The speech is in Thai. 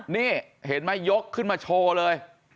นี่เห็นไหมยกขึ้นมาโชว์เลย